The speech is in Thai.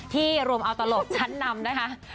รวมเอาตลกชั้นนำนะคะ